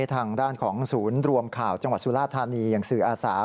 ทางด้านของศูนย์รวมข่าวจังหวัดสุราธานีอย่างสื่ออาสา